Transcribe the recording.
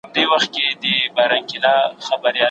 کتاب لوستونکی انسان له ناپوهه انسان څخه لوړ دی.